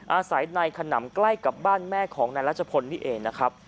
อาศัยในขนำใกล้กับบ้านแม่ของนายรัชพลนี่เองนะครับ